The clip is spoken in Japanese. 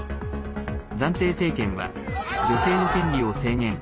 暫定政権は女性の権利を制限。